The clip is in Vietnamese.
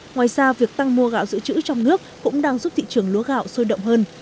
ngoài ra việc tăng mua gạo giữ chữ trong nước cũng đang giúp thị trường lúa gạo sôi động hơn